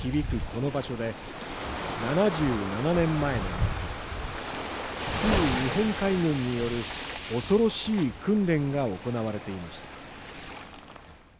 この場所で、７７年前の夏、旧日本海軍による恐ろしい訓練が行われていました。